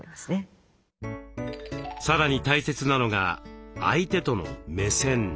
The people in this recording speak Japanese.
さらに大切なのが相手との「目線」。